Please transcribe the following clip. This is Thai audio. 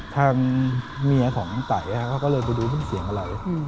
ทางเมียของไตเขาก็เลยไปดูซึ่งเสียงอะไร